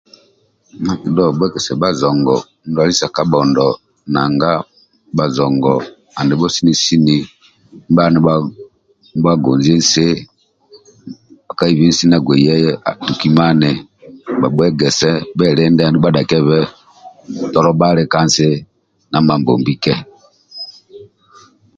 Ndyakidhuwaga bhabhuwegisa bhazongo ndwali sya kanbhondo nanga bazongo andibho sini sini ndibhalya ni bhagonzi nsi bhakaibhi nsi ndyabgbei yai atukimani bhabhuwegese bhelinde andulu bhadhakiye Tolo bhali ka nsi dya mambombi